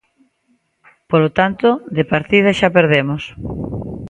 Polo tanto, de partida xa perdemos.